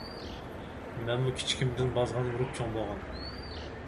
مەنمۇ كىچىكىمدىن بازغان ئۇرۇپ چوڭ بولغان.